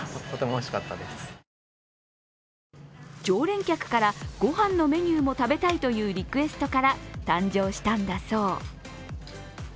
常連客から御飯のメニューも食べたいというリクエストから誕生したんだそう。